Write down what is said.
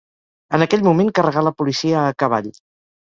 En aquell moment carregà la policia a cavall.